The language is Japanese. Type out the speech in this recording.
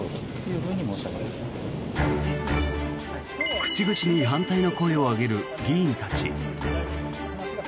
口々に反対の声を上げる議員たち。